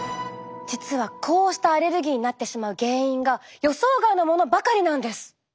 実はこうしたアレルギーになってしまう原因が予想外のものばかりなんです。